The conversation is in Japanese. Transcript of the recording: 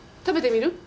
食べてみる？